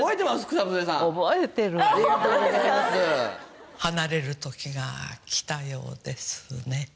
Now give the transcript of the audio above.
草笛さん離れる時が来たようですね